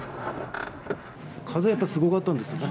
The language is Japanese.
風はやっぱすごかったんですよね。